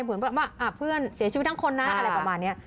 เหมือนแบบว่าเพื่อนเสียชีวิตทั้งคนนะอะไรประมาณนี้